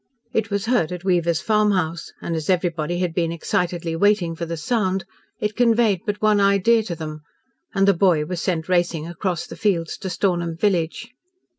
It was heard at Weaver's farmhouse, and, as everybody had been excitedly waiting for the sound, it conveyed but one idea to them and the boy was sent racing across the fields to Stornham village.